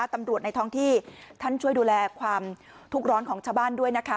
ในท้องที่ท่านช่วยดูแลความทุกข์ร้อนของชาวบ้านด้วยนะคะ